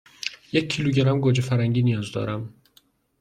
یک کیلوگرم گوجه فرنگی نیاز دارم.